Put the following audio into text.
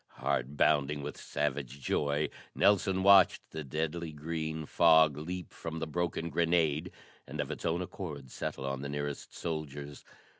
Heart bounding with savage joy, Nelson watched the deadly green fog leap from the broken grenade and of its own accord settle on the nearest soldiers.